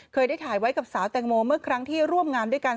เคยได้ถ่ายไว้กับสาวแตงโมเมื่อครั้งที่ร่วมงานด้วยกัน